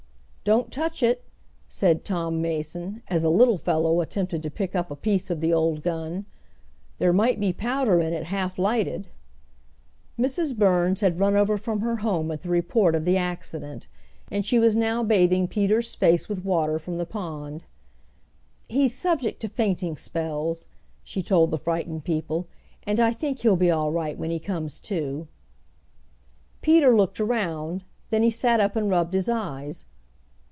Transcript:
"Don't touch it," said Tom Mason, as a little fellow attempted to pick up a piece of the old gun. "There might be powder in it half lighted." Mrs. Burns had run over from her home at the report of the accident, and she was now bathing Peter's face with water from the pond. "He's subject to fainting spells," she told the frightened people, "and I think he'll be all right when he comes to." Peter looked around, then he sat up and rubbed his eyes.